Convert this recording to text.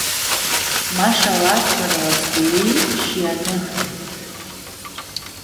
Mash alag pãnã la sculii, shi anãhtu.